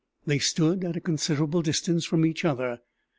They stood at a considerable distance from each other.